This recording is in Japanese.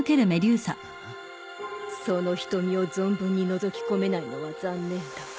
その瞳を存分にのぞき込めないのは残念だが。